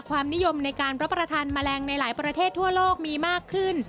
ความนิยมในการรับประทานแมลงในหลายประเทศทั่วโลกมีมากขึ้น